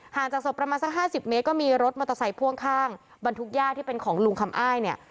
จากศพประมาณสักห้าสิบเมตรก็มีรถมอเตอร์ไซค์พ่วงข้างบรรทุกย่าที่เป็นของลุงคำอ้ายเนี่ย